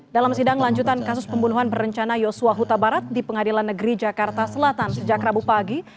dalam sidang lanjutan kasus pembunuhan berencana yosua huta barat di pengadilan negeri jakarta selatan sejak rabu pagi